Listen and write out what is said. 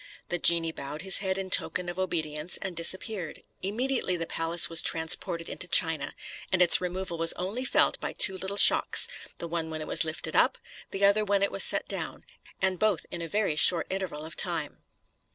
The genie bowed his head in token of obedience, and disappeared. Immediately the palace was transported into China, and its removal was only felt by two little shocks, the one when it was lifted up, the other when it was set down, and both in a very short interval of time.